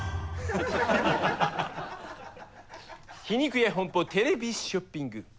「皮肉屋本舗テレビショッピング」。